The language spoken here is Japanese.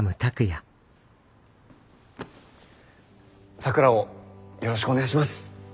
咲良をよろしくお願いします。